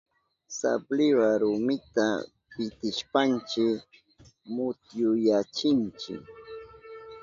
Sabliwa rumita pitishpanchi mutyuyachinchi.